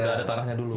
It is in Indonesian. udah ada tanahnya dulu